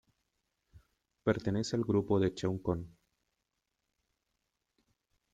Pertenece al grupo de Cheung Kong.